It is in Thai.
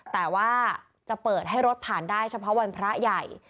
แต่ว่าจะเปิดให้รถผ่านได้เฉพาะวันพระใหญ่